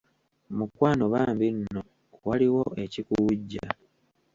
Mukwano bambi nno, waliwo ekikuwujja.